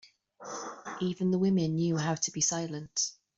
Even the women knew how to be silent.